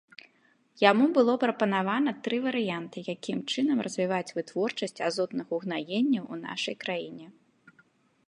Яму было прапанавана тры варыянты, якім чынам развіваць вытворчасць азотных угнаенняў у нашай краіне.